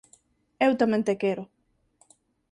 Eu tamén te quero.